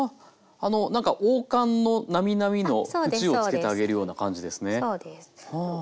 あなんか王冠のなみなみの縁をつけてあげるような感じですね。